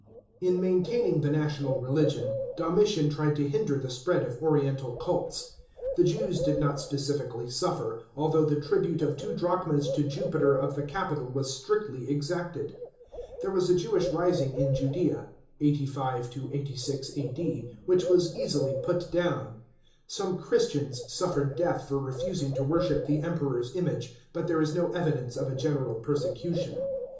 In maintaining the national religion, Domitian tried to hinder the spread of oriental cults. The Jews did not specially suffer,f although the tribute of two drachmas to Jupiter of the Capitol was strictly exacted. There was a Jewish rising in Judea (85 to 86 A.D.), which was easily put down. Some Christians suffered death for refusing to worship the Emperor's image, but there is no evidence of a general persecution.